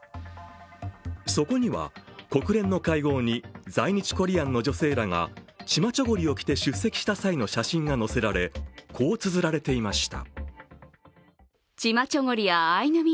そこには国連の会合に在日コリアンの女性らがチマチョゴリを着て出席した際の写真が載せられ、こうつづられていました。